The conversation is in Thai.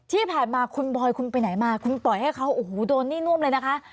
ที่ผ่านมาคุณบอยคุณไปไหนมาคุณปล่อยให้เขาโอ้โหโดนหนี้น่วมเลยนะคะ